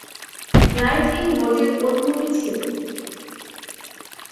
Write-in ভোটের অনুমতি ছিল।